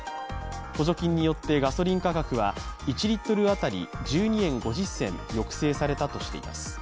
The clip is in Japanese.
補助金によってガソリン価格は１リットル当たり１２円５０銭抑制されたとしています。